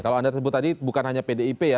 kalau anda sebut tadi bukan hanya pdip ya